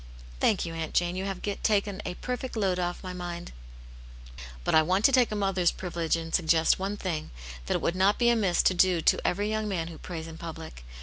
" Thank you. Aunt Jane, you have taken a perfect load off my mind." "But I want to take a mother's privilege and suggest one thing, that it would not be amiss to do to every young man who prays in public.